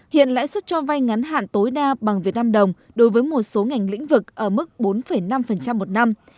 hiện lãi suất cho vay ngắn hạn tối đa bằng việt nam đồng đối với một số ngành lĩnh vực ở mức bốn năm một năm